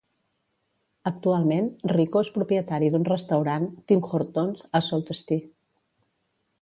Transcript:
Actualment Rico és propietari d'un restaurant Tim Hortons a Sault Ste.